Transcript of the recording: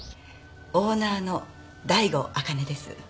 オーナーの醍醐あかねです。